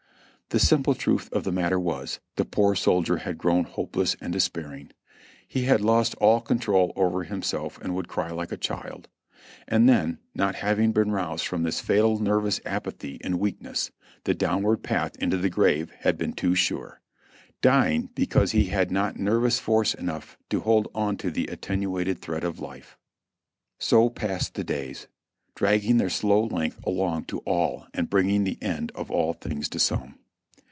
The simple truth of the matter was, the poor soldier had grown liopeless and despairing. He had lost all control over himself and would cry like a child; and then, not having been roused from this fatal, nervous apathy and weakness, the downward path into the grave had been too sure, dying because he had not nervous force enough to hold on to the attenuated thread of life. So passed the days, dragging their slow length along to all and bringing the end of all things to some.